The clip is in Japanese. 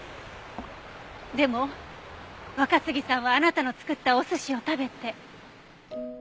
でも若杉さんはあなたの作ったお寿司を食べて。